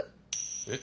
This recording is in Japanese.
えっ？